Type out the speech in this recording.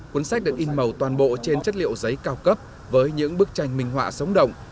cuốn sách được in màu toàn bộ trên chất liệu giấy cao cấp với những bức tranh minh họa sống động